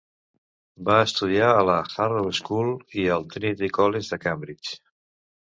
Va estudiar a la Harrow School i al Trinity College de Cambridge.